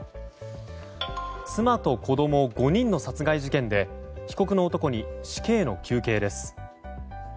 妻と子供５人の殺害事件で被告の男に死刑の求刑です。